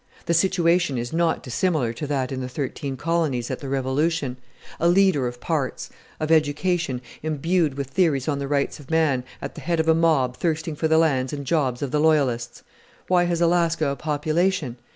The situation is not dissimilar to that in the Thirteen Colonies at the Revolution: a leader of parts, of education, imbued with theories on the rights of man, at the head of a mob thirsting for the lands and jobs of the Loyalists! Why has Alaska a population?